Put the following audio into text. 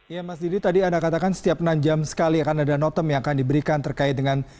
ya mas didi tadi anda katakan setiap enam jam sekali akan ada notem yang akan diberikan terkait dengan